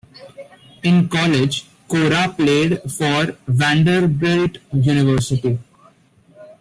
In college, Cora played for Vanderbilt University.